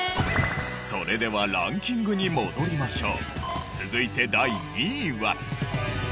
それではランキングに戻りましょう。